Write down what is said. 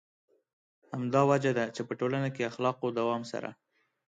همدا وجه ده چې په ټولنه کې اخلاقو دوام سره.